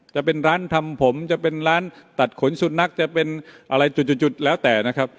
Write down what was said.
จะเป็นร้านทำผมจะเป็นร้านตัดขนสุนัขจะเป็นอะไรจุดแล้วแต่นะครับ